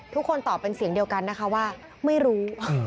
ทุกคนตอบเป็นเสียงเดียวกันนะคะว่าไม่รู้